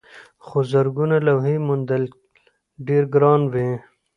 خو زرګونه لوحې موندل ډېر ګران وي.